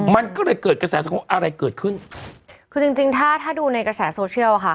มันก็เลยเกิดกระแสสังคมอะไรเกิดขึ้นคือจริงจริงถ้าถ้าดูในกระแสโซเชียลอ่ะค่ะ